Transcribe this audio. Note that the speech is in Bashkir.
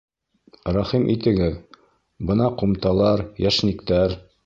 Рәхим итегеҙ, бына ҡумталар, йәшниктәр